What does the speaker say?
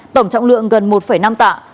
tổng trọng lượng gần một năm tạ